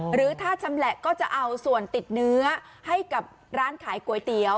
หรือถ้าชำแหละก็จะเอาส่วนติดเนื้อให้กับร้านขายก๋วยเตี๋ยว